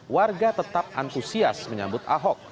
warga tetap antusias menyambut ahok